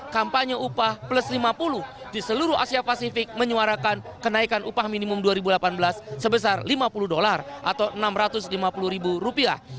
kampanye upah plus lima puluh di seluruh asia pasifik menyuarakan kenaikan upah minimum dua ribu delapan belas sebesar lima puluh dolar atau enam ratus lima puluh ribu rupiah